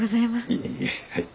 いえいえはい。